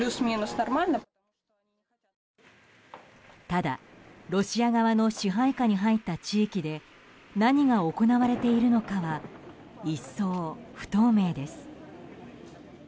ただ、ロシア側の支配下に入った地域で何が行われているのかは一層、不透明です。